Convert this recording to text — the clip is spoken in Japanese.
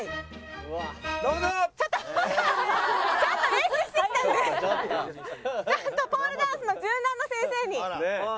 ちゃんとポールダンスの柔軟の先生にはい。